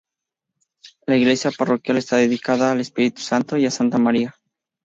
La iglesia parroquial está dedicada al Espíritu Santo y a Santa María.